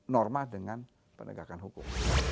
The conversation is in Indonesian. norma dengan penegakan hukum